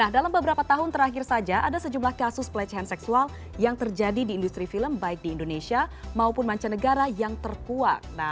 dalam beberapa tahun terakhir saja ada sejumlah kasus pelecehan seksual yang terjadi di industri film baik di indonesia maupun mancanegara yang terkuak